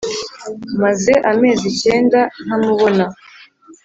Maze amezi icyenda nta mubona